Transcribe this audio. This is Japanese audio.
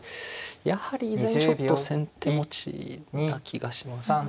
やはり依然ちょっと先手持ちな気がしますね。